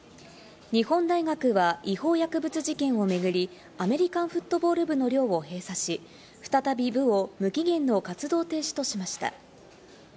日本大学は違法薬物事件を巡り、アメリカンフットボール部の寮を閉鎖し、再び部を無期限の活動停止としました。